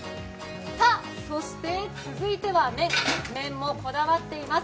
そして続いては麺、麺もこだわっています。